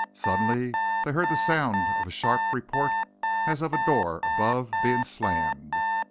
Suddenly they heard the sound of a sharp report, as of a door above being slammed.